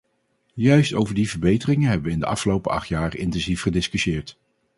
Juist over die verbeteringen hebben we in de afgelopen acht jaar intensief gediscussieerd.